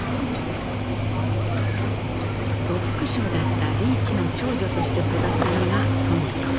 呉服商だった利一の長女として育ったのが登美子。